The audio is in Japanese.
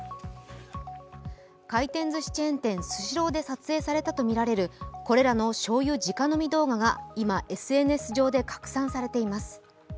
回転ずしチェーン店、スシローで撮影されたとみられるこちらのしょうゆ直飲み動画が今、ＳＮＳ上で拡散されています。